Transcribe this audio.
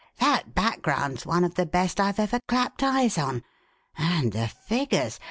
That background's one of the best I've ever clapped eyes on. And the figures!